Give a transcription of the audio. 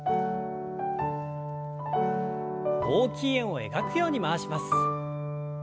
大きい円を描くように回します。